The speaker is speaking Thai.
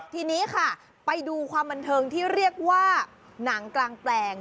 ทีนี้ค่ะไปดูความบันเทิงที่เรียกว่าหนังกลางแปลง